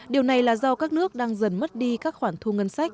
điều này là do các nước đang dần mất đi các khoản thu ngân sách